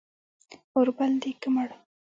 اور بل دی که مړ